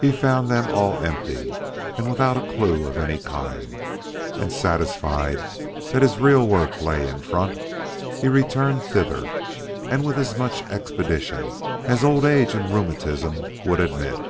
He found them all empty and without clue of any kind, and satisfied that his real work lay in front, he returned thither with as much expedition as old age and rheumatism would admit.